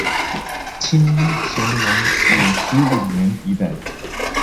清乾隆五十五年一带。